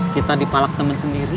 kita dipalak temen sendiri